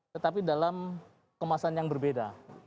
tetapi dalam kemasan yang berbeda